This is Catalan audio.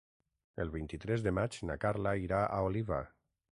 El vint-i-tres de maig na Carla irà a Oliva.